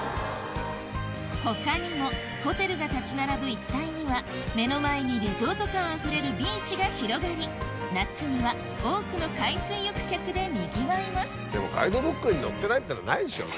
他にもホテルが立ち並ぶ一帯には目の前にリゾート感あふれるビーチが広がり夏には多くの海水浴客でにぎわいますでもガイドブックに載ってないってのはないでしょ。